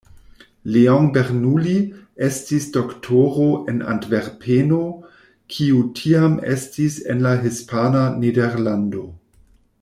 Leon Bernoulli estis doktoro en Antverpeno, kiu tiam estis en la Hispana Nederlando.